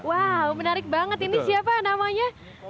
wow menarik banget ini siapa namanya